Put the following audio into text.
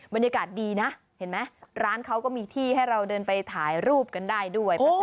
บรรยากาศดีนะเห็นไหมร้านเขาก็มีที่ให้เราเดินไปถ่ายรูปกันได้ด้วย